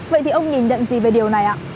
vậy thì ông nhìn nhận gì về điều này ạ